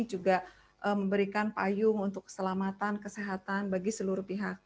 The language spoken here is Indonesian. juga memberikan payung untuk keselamatan kesehatan bagi seluruh pihak